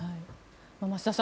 増田さん